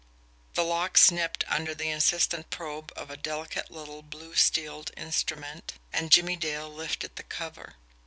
The lock snipped under the insistent probe of a delicate little blued steel instrument, and Jimmie Dale lifted the cover.